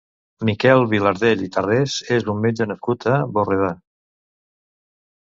Miquel Vilardell i Tarrés és un metge nascut a Borredà.